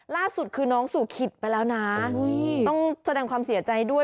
ล่าสุดคือน้องสู่ขิตไปแล้วนะต้องแสดงความเสียใจด้วย